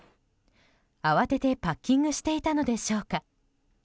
慌ててパッキングしていたのでしょうか。